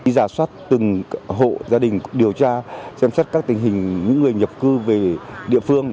giả soát từng hộ gia đình điều tra xem xét các tình hình những người nhập cư về địa phương